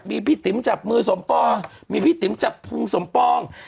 มีพี่ติ๋มจับมือสมปองมีพี่ติ๋มจับพุงสมปอง